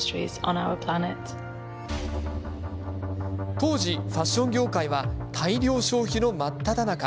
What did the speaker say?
当時、ファッション業界は大量消費の真っただ中。